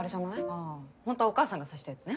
ああほんとはお母さんが刺したやつね。